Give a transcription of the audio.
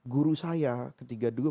guru saya ketika dulu